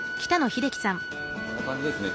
こんな感じですね